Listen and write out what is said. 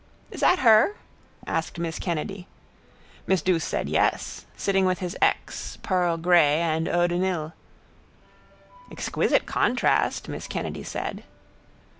—Is that her? asked miss Kennedy. Miss Douce said yes, sitting with his ex, pearl grey and eau de Nil. —Exquisite contrast, miss Kennedy said.